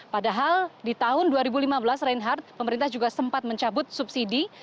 padahal di tahun dua ribu lima belas reinhardt pemerintah juga sempat mencabut subsidi